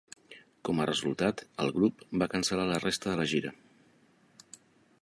Com a resultat, el grup va cancel·lar la resta de la gira.